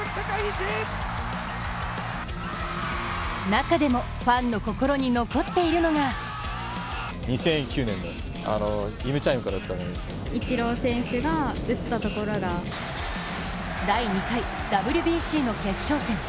中でも、ファンの心に残っているのが第２回ＷＢＣの決勝戦。